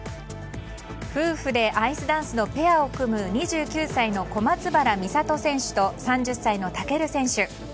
夫婦でアイスダンスのペアを組む２９歳の小松原美里選手と３０歳の尊選手。